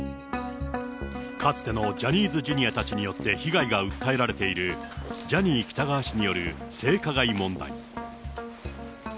かつてのジャニーズＪｒたちによって被害が訴えられているジャニー喜多川氏による性加害問題。